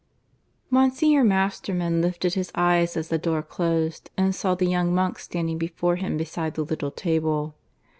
(III) Monsignor Masterman lifted his eyes as the door closed, and saw the young monk standing before him, beside the little table.